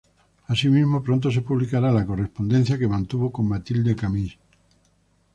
Asimismo, pronto se publicará la correspondencia que mantuvo con Matilde Camus.